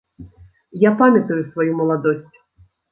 Я памятаю сваю маладосць.